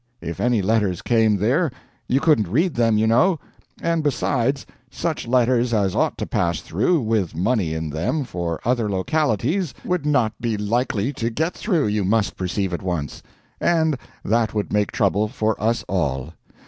If any letters came there, you couldn't read them, you know; and, besides, such letters as ought to pass through, with money in them, for other localities, would not be likely to get through, you must perceive at once; and that would make trouble for us all.